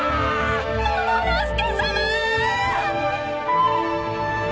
モモの助さま！